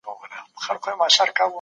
هغه د انار د اوبو په څښلو بوخت دی.